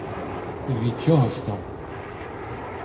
Від чого ж то?